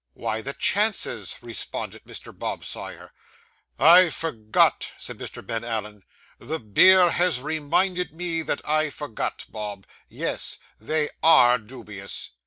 'Why, the chances,' responded Mr. Bob Sawyer. 'I forgot,' said Mr. Ben Allen. 'The beer has reminded me that I forgot, Bob yes; they _are _dubious.